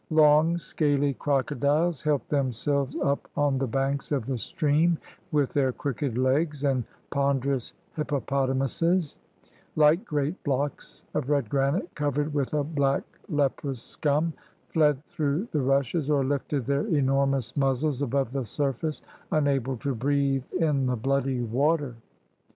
Long scaly croco diles helped themselves up on the banks of the stream with their crooked legs, and ponderous hippopotamuses, Uke great blocks of red granite covered with a black leprous scum, fled through the rushes, or lifted their enormous muzzles above the surface, unable to breathe in the bloody water.